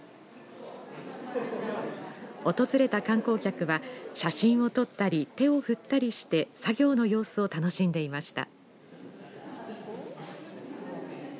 訪れた観光客は写真を撮ったり手を振ったりして作業の様子を楽しんでいました。